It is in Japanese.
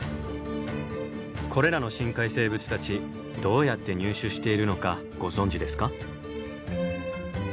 これらの深海生物たちどうやって入手しているのかご存じですか？